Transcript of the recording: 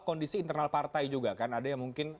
kondisi internal partai juga kan ada yang mungkin